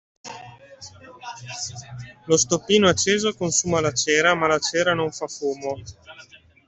Lo stoppino acceso consuma la cera, ma la cera non fa fumo.